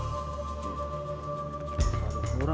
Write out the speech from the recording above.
bang jangan lah bang jangan lah